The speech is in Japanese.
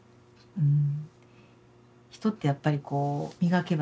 うん。